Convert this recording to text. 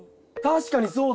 確かに！